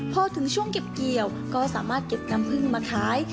พอถึงช่วงเก็บเกี่ยวก็สามารถเก็บน้ำพึ่งมาขาย